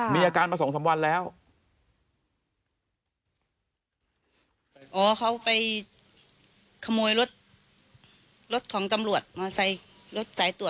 มีอาการมาสองสามวันแล้ว